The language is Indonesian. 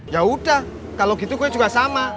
yaudah kalo gitu gue juga sama